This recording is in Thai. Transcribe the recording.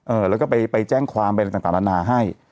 เออแล้วก็ไปแจ้งความไปต่างนานาให้